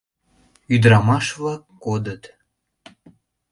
Ӱдырамаш-влак кодыт.